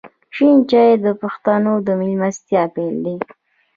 شین چای د پښتنو د میلمستیا پیل دی.